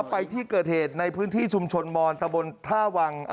ไปที่เกิดเหตุในพื้นที่ชุมชนมอนตะบนท่าวัง